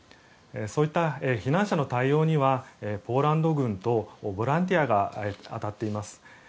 そういった避難者の対応にはポーランド軍とボランティアが当たっています。